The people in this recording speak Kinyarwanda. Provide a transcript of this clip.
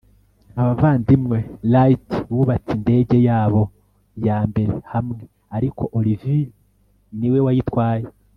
Abavandimwe Wright bubatse indege yabo ya mbere hamwe ariko Orville niwe wayitwaye